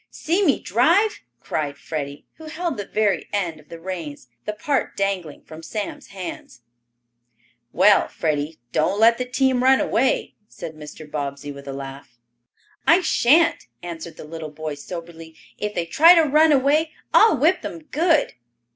"See me drive!" cried Freddie, who held the very end of the reins, the part dangling from Sam's hands. "Well, Freddie, don't let the team run away," said Mr. Bobbsey, with a laugh. "I shan't," answered the little fellow soberly. "If they try to run away, I'll whip them good."